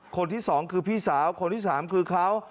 คนที่๒คือพี่สาวคนที่๓คือเขา